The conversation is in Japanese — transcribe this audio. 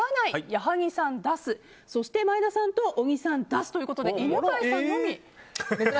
矢作さん、出すそして前田さんと小木さん出すということで犬飼さんのみ。